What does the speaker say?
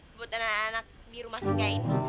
untuk anak anak di rumah singkaini